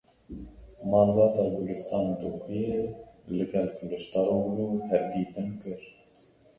Malbata Gulistan Dokuyê li gel Kilicdaroglu hevdîtin kir.